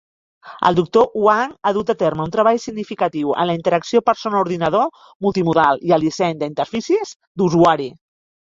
El doctor Huang ha dut a terme un treball significatiu en la interacció persona-ordinador multimodal i el disseny d'interfícies d'usuari.